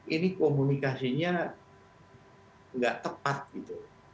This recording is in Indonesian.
ini komunikasinya tidak tepat